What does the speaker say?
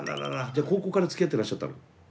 じゃあ高校からつきあってらっしゃったの？